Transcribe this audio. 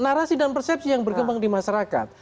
narasi dan persepsi yang berkembang di masyarakat